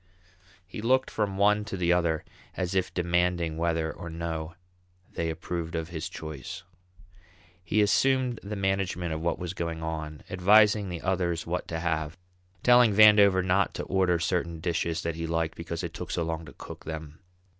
He looked from one to the other as if demanding whether or no they approved of his choice. He assumed the management of what was going on, advising the others what to have, telling Vandover not to order certain dishes that he liked because it took so long to cook them.